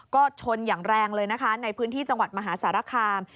ก็ชนอย่างแรงเลยนะคะในพื้นที่จังหวัดมหาสารคาม